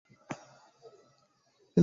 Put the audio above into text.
কিন্তু আবার হাসিয়া গড়াইয়া পড়িবার জোগাড় করিল।